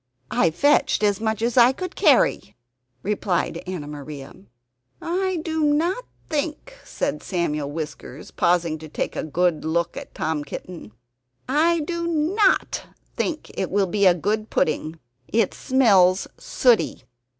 "I fetched as much as I could carry," replied Anna Maria. "I do not think" said Samuel Whiskers, pausing to take a look at Tom Kitten "I do NOT think it will be a good pudding. It smells sooty."